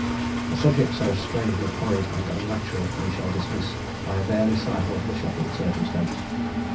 A subject so strangely horrid and unnatural we shall dismiss by a bare recital of the shocking circumstance.